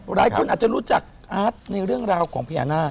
หลายคนอาจจะรู้จักอาร์ตในเรื่องราวของพญานาค